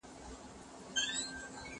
غر و غره ته نه رسېږي، سړى و سړي ته رسېږي.